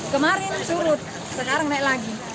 kemarin surut sekarang naik lagi